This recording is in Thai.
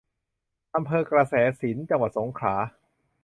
อำเภอกระแสสินธุ์ จังหวัดสงขลา